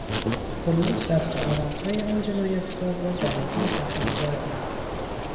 پلیس رفت و آمدهای آن جنایتکار را دقیقا تحت نظر دارد.